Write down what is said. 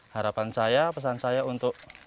harapan saya pesan saya untuk